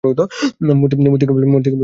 মূর্তি কেবল কাবা ঘরেই ছিল না।